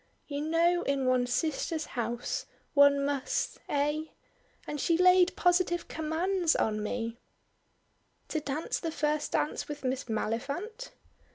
You know in one's sister's house one must eh? And she laid positive commands on me " "To dance the first dance with Miss Maliphant?"